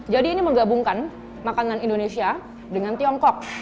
jadi ini menggabungkan makanan indonesia dengan tiongkok